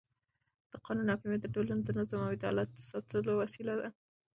د قانون حاکمیت د ټولنې د نظم او عدالت د ساتلو وسیله ده